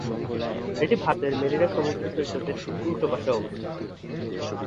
এটি ভারতের মেরিনা সমুদ্র সৈকতের ঠিক উল্টো পাশে অবস্থিত।